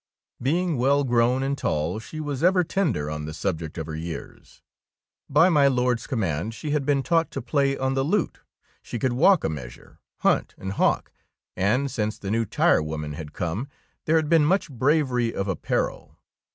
Being well grown and tall, she was ever tender on the subject of her years. By my Lord's command, she had been taught to play on the lute, she could walk a measure, hunt and hawk, and since the new tirewoman had come, there had been much bravery of ap parel.